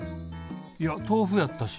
いや豆腐やったし。